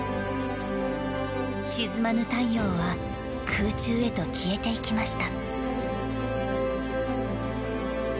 沈まぬ太陽は空中へと消えていきました。